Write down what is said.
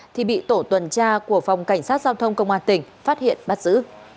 thì bị tổ tuần tra của phòng cảnh sát giao thông công an tỉnh phát hiện bắt giữ